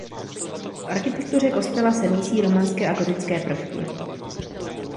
V architektuře kostela se mísí románské a gotické prvky.